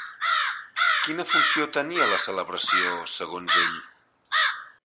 Quina funció tenia la celebració, segons ell?